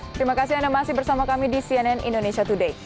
terima kasih anda masih bersama kami di cnn indonesia today